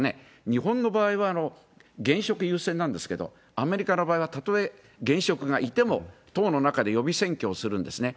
日本の場合は、現職優先なんですけれども、アメリカの場合はたとえ現職がいても、党の中で予備選挙をするんですね。